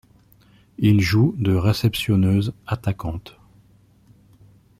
Il joue de réceptionneuse-attaquante.